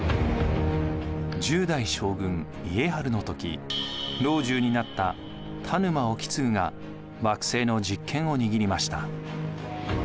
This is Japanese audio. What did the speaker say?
１０代将軍・家治の時老中になった田沼意次が幕政の実権を握りました。